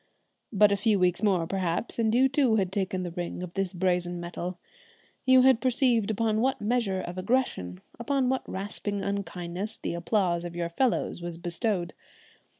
But a few weeks more perhaps, and you too had taken the ring of this brazen metal. You had perceived upon what measure of aggression, upon what rasping unkindnesses, the applause of your fellows was bestowed.